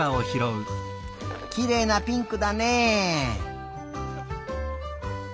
きれいなピンクだね。